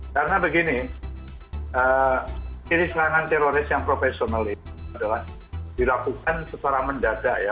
karena begini kiri serangan teroris yang profesional ini adalah dilakukan secara mendadak ya